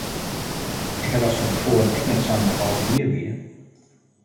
Ik ha dochs fan te foaren ek net sein dat alles wier wie!